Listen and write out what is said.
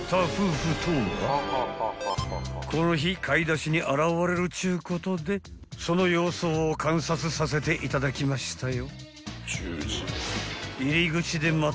［この日買い出しに現れるっちゅうことでその様子を観察させていただきましたよ］